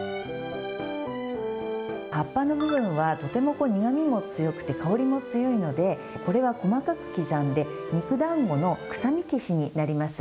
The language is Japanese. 葉っぱの部分は、とても苦みが強くて香りも強いので、これは細かく刻んで、肉だんごの臭み消しになります。